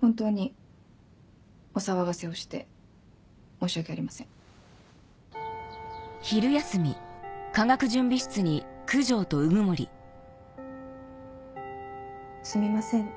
本当にお騒がせをして申し訳ありません。すみません。